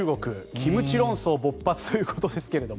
キムチ論争勃発ということですけども。